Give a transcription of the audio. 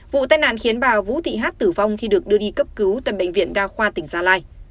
vụ tai nạn khiến bà vũ thị hát tử vong khi được đưa đi cấp cứu tại bệnh viện đa khoa tỉnh gia lai